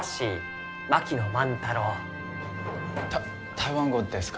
台湾語ですか？